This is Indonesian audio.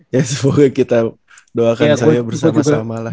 ya semoga kita doakan saya bersama sama lah